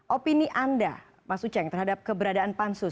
opini anda mas uceng terhadap keberadaan pansus